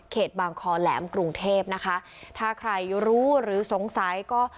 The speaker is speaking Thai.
บางคอแหลมกรุงเทพนะคะถ้าใครรู้หรือสงสัยก็